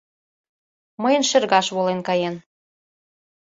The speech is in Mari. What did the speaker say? Мыйын шергаш волен каен